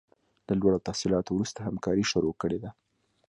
له لوړو تحصیلاتو وروسته همکاري شروع کړې ده.